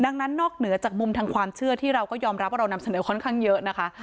ดังนั้นนอกเหนือจากมุมทางความเชื่อที่เราก็ยอมรับว่าเรานำเสนอค่อนข้างเยอะนะคะ